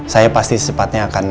saya pasti sempatnya akan